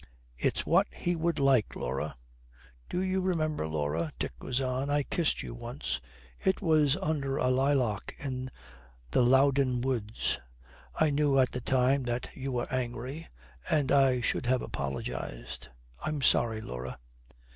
'It's what he would like, Laura.' 'Do you remember, Laura,' Dick goes on, 'I kissed you once. It was under a lilac in the Loudon Woods. I knew at the time that you were angry, and I should have apologised. I'm sorry, Laura.'